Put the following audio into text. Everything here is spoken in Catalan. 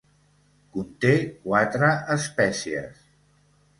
Conté quatre espècies.